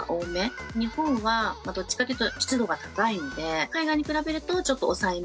日本はどっちかっていうと湿度が高いので海外に比べるとちょっと抑えめ。